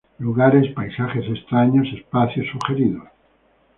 Lugares, paisajes extraños, espacios sugeridos.